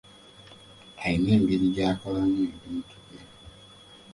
Alina engeri gy'akolamu ebintu bye.